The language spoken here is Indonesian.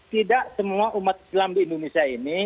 tidak semua umat islam di indonesia ini